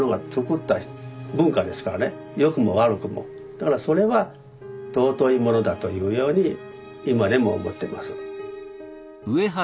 だからそれは尊いものだというように今でも思ってます。